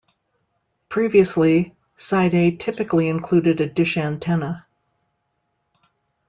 Previously, Side A typically included a dish antenna.